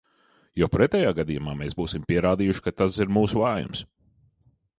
Jo pretējā gadījumā mēs būsim pierādījuši, ka tas ir mūsu vājums.